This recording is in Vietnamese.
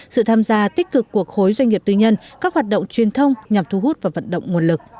sự tham gia tích cực của khối doanh nghiệp tư nhân các hoạt động truyền thông nhằm thu hút và vận động nguồn lực